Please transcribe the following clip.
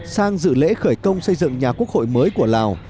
sang dự lễ khởi công xây dựng nhà quốc hội mới của lào